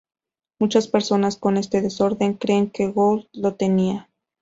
Muchas personas con este desorden creen que Gould lo tenía.